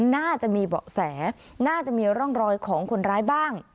น่าจะมีเบาะแสน่าจะมีร่องรอยของคนร้ายบ้าง